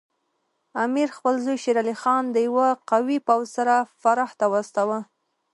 امیر خپل زوی شیر علي خان د یوه قوي پوځ سره فراه ته واستاوه.